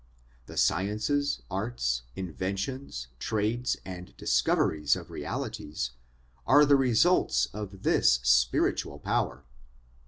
The sciences, arts, in ventions, trades, and discoveries of realities, are the results of this spiritual power.